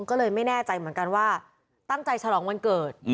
ก็เลยไม่แน่ใจเหมือนกันว่าตั้งใจฉลองวันเกิด